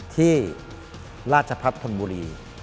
ที่ราชพัฒนธนบุรี